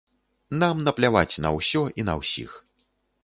Нам напляваць на ўсё і на ўсіх.